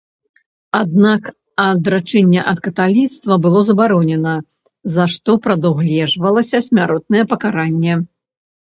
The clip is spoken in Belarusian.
Аднак адрачэнне ад каталіцтва было забаронена, за што прадугледжвалася смяротнае пакаранне.